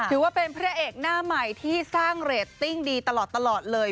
ถือว่าเป็นพระเอกหน้าใหม่ที่สร้างเรตติ้งดีตลอดเลย